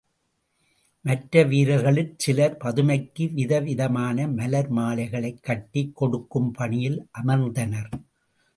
மற்ற வீரர்களிற் சிலர் பதுமைக்கு விதவிதமான மலர் மாலைகளைக் கட்டிக் கொடுக்கும் பணியில் அமர்ந்தனர்.